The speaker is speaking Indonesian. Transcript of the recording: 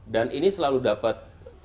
dan ini selalu dapat